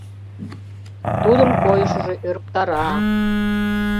Тудын койышыжо ӧрыктара...